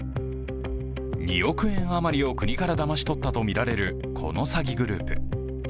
２億円余りを国からだまし取ったとみられるこの詐欺グループ。